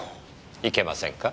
いけませんか？